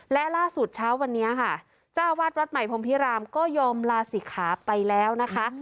และล่าสุดเช้าวันนี้ค่ะเจ้าวาดวัดใหม่พรมพิรามก็ยอมลาศิกขาไปแล้วนะคะ